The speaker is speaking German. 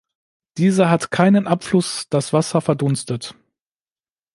Dieser hat keinen Abfluss, das Wasser verdunstet.